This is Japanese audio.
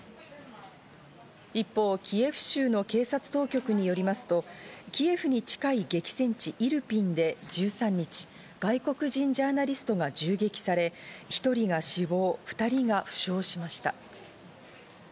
一方、キエフ州の警察当局によりますと、キエフに近い激戦地イルピンで１３日、外国人ジャーナリストが銃撃され、１人が死亡、２人が負傷しました。